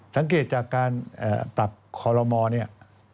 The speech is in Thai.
สังเกตจากการปรับคอลโลมอลเนี่ย